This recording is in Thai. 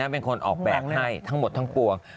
เป็นคนออกแบบให้ทั้งหมดทั้งปวง